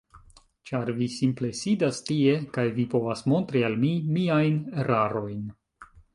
Ĉar vi simple sidas tie, kaj vi povas montri al mi miajn erarojn.